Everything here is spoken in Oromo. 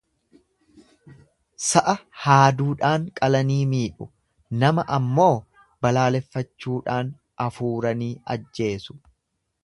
Sa'a haaduudhaan qalanii miidhu, nama ammoo balaaleffachuudhaan afuuranii ajjeesu.